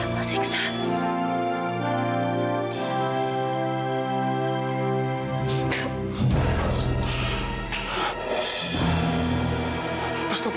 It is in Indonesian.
mas iksan apa yang terjadi dokter dokter